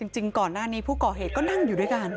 จริงก่อนหน้านี้ผู้ก่อเหตุก็นั่งอยู่ด้วยกัน